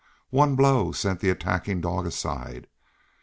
One blow sent the attacking dog aside.